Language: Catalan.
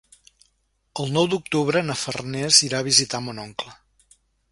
El nou d'octubre na Farners irà a visitar mon oncle.